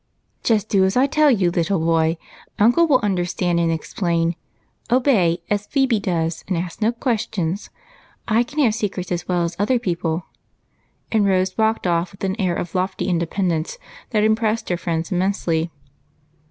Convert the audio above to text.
" Just do as I tell you, little boy ; uncle will under stand and explain. Obey, as Phebe does, and ask no questions. I can have secrets as well as other people ;" and Rose walked off with an air of lofty independence that impressed her friends immensely.